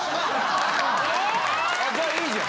じゃあいいじゃん。